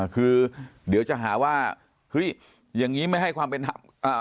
คือเดี๋ยวจะหาว่าเฮ้ยอย่างนี้ไม่ให้ความเป็นธรรม